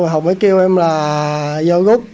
hùng mới kêu em là vô gúc